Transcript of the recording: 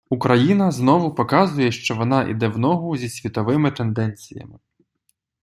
Україна знову показує, що вона іде в ногу зі світовими тенденціями.